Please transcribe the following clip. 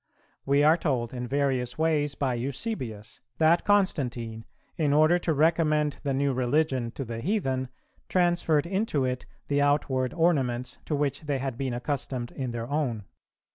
We are told in various ways by Eusebius,[373:1] that Constantine, in order to recommend the new religion to the heathen, transferred into it the outward ornaments to which they had been accustomed in their own.